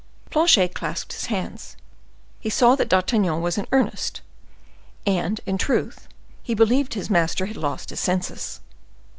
Planchet clasped his hands; he saw that D'Artagnan was in earnest, and, in good truth, he believed his master had lost his senses.